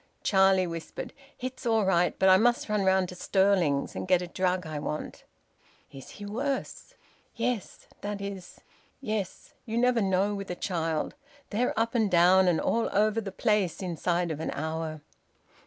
Charlie whispered: "It's all right, but I must run round to Stirling's, and get a drug I want." "Is he worse?" "Yes. That is yes. You never know with a child. They're up and down and all over the place inside of an hour."